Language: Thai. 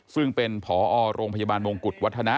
ซึ่งเป็นผอโรงพยาบาลมงกุฎวัฒนะ